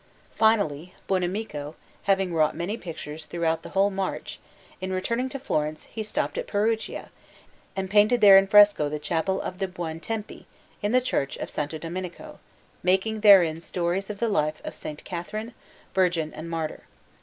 Finally, Buonamico having wrought many pictures throughout the whole March, in returning to Florence he stopped at Perugia, and painted there in fresco the Chapel of the Buontempi in the Church of S. Domenico, making therein stories of the life of S. Catherine, virgin and martyr.